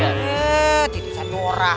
eh titik sandora